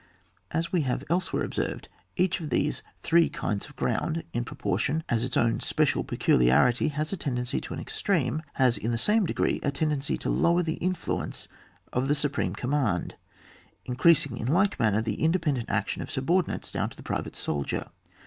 As we have elsewhere observed, each of these three kinds of ground in propor tion as its own special peculiarity has a tendency to an extreme, has in the same degree a tendency to lower the influence of the supreme command, increasing in like manner the independent action of subordinates down to the private soldier.